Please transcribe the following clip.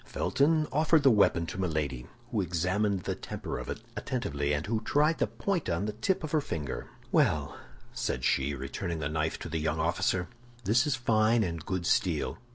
Felton offered the weapon to Milady, who examined the temper of it attentively, and who tried the point on the tip of her finger. "Well," said she, returning the knife to the young officer, "this is fine and good steel.